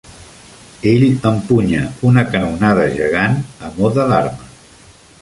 Ell empunya una canonada gegant a mode d"arma.